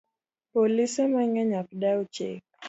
Polise mang'eny ok dew chik